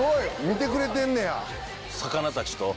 見てくれてんねや。